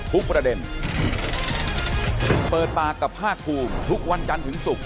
ประเด็นเปิดปากกับภาคภูมิทุกวันจันทร์ถึงศุกร์